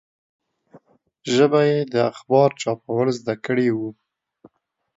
ژبه یې د اخبار چاپول زده کړي وو.